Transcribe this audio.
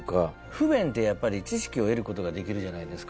不便ってやっぱり知識を得る事ができるじゃないですか。